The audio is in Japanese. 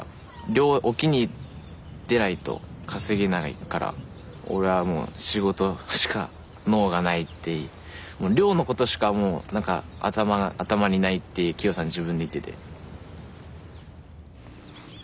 漁は沖に出ないと稼げないから俺はもう仕事のことしか能がないってもう漁のことしかもう頭にないってキヨさん自分で言ってて。